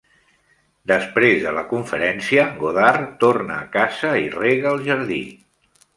Després de la conferència, Godard torna a casa i rega el jardí.